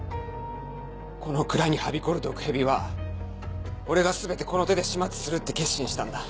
この蔵にはびこる毒蛇は俺が全てこの手で始末するって決心したんだ。